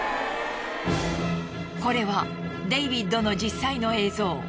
これはデイビッドの実際の映像。